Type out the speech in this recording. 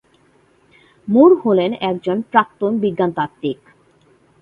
মুর হলেন একজন প্রাক্তন বিজ্ঞানতাত্ত্বিক।